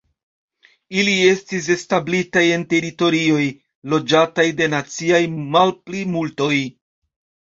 Ili estis establitaj en teritorioj, loĝataj de naciaj malplimultoj.